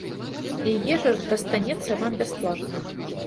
І ежа дастанецца вам бясплатна.